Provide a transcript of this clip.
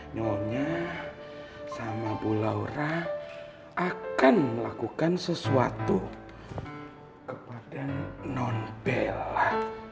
nyonya sama bu laura akan melakukan sesuatu kepada non bella